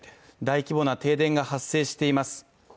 大規模な停電が発生しています。